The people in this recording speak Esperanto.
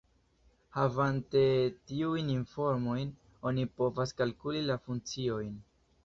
Havante tiujn informojn, oni povas kalkuli la funkciojn.